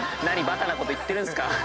何バカなこと言ってるんすか。